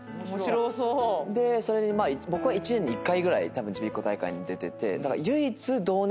で僕は一年に１回ぐらいちびっこ大会に出てて。